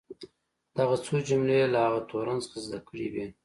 دغه څو جملې یې له هغه تورن څخه زده کړې وې.